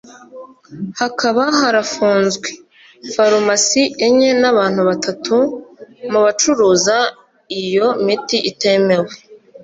hakaba harafunzwe farumasi enye n’abantu batatu mu bacuruza iyo miti itemewe